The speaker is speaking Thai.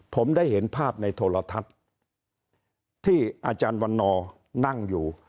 ผมได้เห็นภาพในโทรทัศน์ที่อาจารย์วันนอร์นั่งอยู่